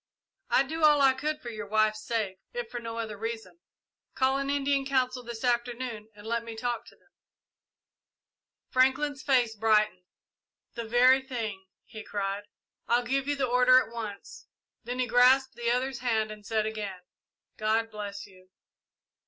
"I'd do all I could for your wife's sake, if for no other reason. Call an Indian council this afternoon and let me talk to them." Franklin's face brightened. "The very thing!" he cried. "I'll give the order at once." Then he grasped the other's hand and said again, "God bless you!"